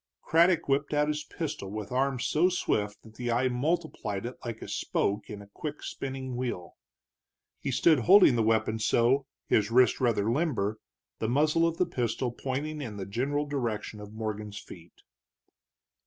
Craddock whipped out his pistol with arm so swift that the eye multiplied it like a spoke in a quick spinning wheel. He stood holding the weapon so, his wrist rather limber, the muzzle of the pistol pointing in the general direction of Morgan's feet.